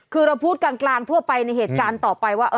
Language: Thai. คือเราพูดกลางทั่วไปในเหตุการณ์ต่อไปว่า